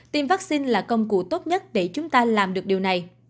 tiêm vaccine là công cụ tốt nhất để chúng ta làm được điều này